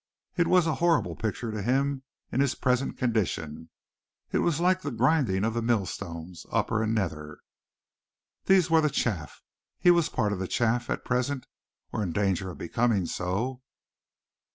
It was a horrible picture to him in his present condition. It was like the grinding of the millstones, upper and nether. These were the chaff. He was a part of the chaff at present, or in danger of becoming so.